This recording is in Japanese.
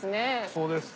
そうですね。